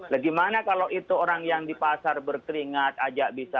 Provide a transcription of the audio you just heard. bagaimana kalau itu orang yang di pasar berkeringat saja bisa